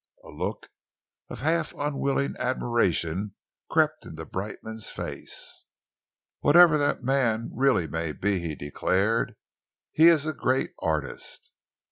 A look of half unwilling admiration crept into Brightman's face. "Whatever that man really may be," he declared, "he is a great artist."